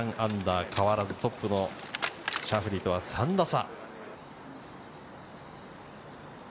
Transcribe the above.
変わらず、トップのシャフリーとは３打差。